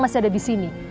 masih ada disini